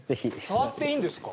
触っていいんですか？